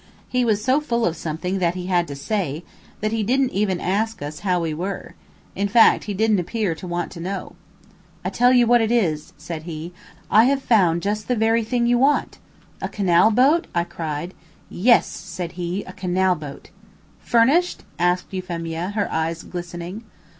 He was so full of something that he had to say that he didn't even ask us how we were. In fact, he didn't appear to want to know. "I tell you what it is," said he, "I have found just the very thing you want." "A canal boat?" I cried. "Yes," said he, "a canal boat." "Furnished?" asked Euphemia, her eyes glistening.